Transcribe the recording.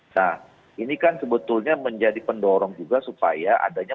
nah ini kan sebetulnya menjadi pendorong juga supaya adanya